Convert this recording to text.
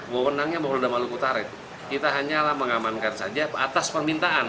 wewenangnya polda maluku utara itu kita hanyalah mengamankan saja atas permintaan